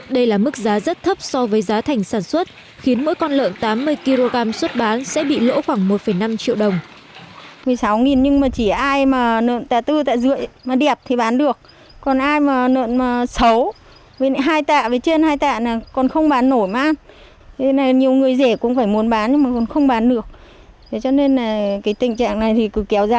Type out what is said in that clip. đây là mức giá rất thấp so với giá thành sản xuất khiến mỗi con lợn tám mươi kg xuất bán sẽ bị lỗ khoảng một năm triệu đồng